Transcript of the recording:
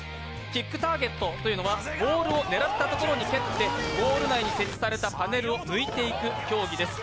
キックターゲットというのは、ボールを狙ったところに蹴ってゴール内に設置されたパネルを抜いていく競技です。